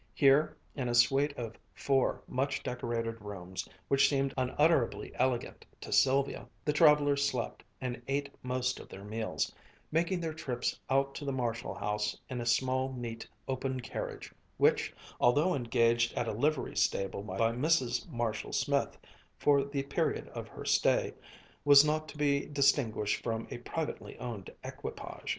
Here in a suite of four much decorated rooms, which seemed unutterably elegant to Sylvia, the travelers slept, and ate most of their meals, making their trips out to the Marshall house in a small, neat, open carriage, which, although engaged at a livery stable by Mrs. Marshall Smith for the period of her stay, was not to be distinguished from a privately owned equipage.